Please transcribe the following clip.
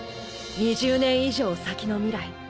２０年以上先の未来